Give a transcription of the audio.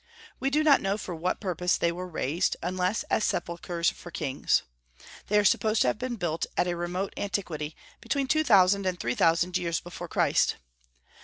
We do not know for what purpose they were raised, unless as sepulchres for kings. They are supposed to have been built at a remote antiquity, between two thousand and three thousand years before Christ.